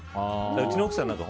うちの奥さんなんて